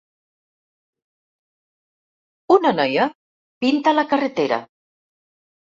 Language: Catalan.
una noia pinta la carretera